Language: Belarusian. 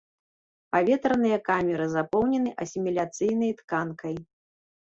Паветраныя камеры запоўнены асіміляцыйнай тканкай.